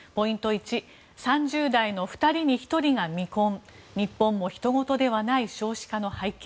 １３０代の２人に１人が未婚日本もひとごとではない少子化の背景。